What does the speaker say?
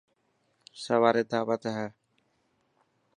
سواري داوت ۾هي.